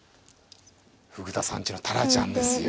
フグ田さんちのタラちゃんですよ。